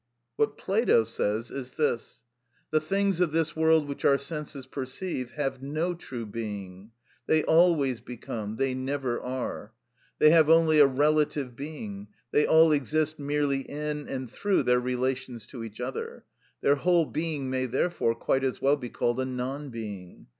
What Plato says is this:—"The things of this world which our senses perceive have no true being; they always become, they never are: they have only a relative being; they all exist merely in and through their relations to each other; their whole being may, therefore, quite as well be called a non being.